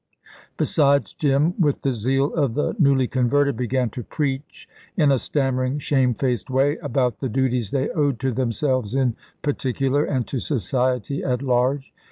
Besides, Jim, with the zeal of the newly converted, began to preach in a stammering, shamefaced way about the duties they owed to themselves in particular and to society at large.